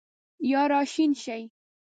یا راشین شي